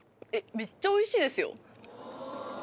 めっちゃおいしいですよえ